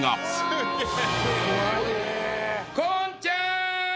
すげえ！